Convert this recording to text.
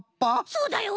そうだよ。